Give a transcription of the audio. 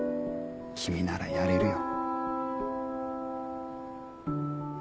君ならやれるよ。